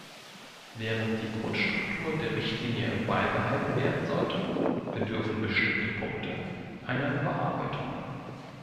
Während die Grundstruktur der Richtlinie beibehalten werden sollte, bedürfen bestimmte Punkte einer Überarbeitung.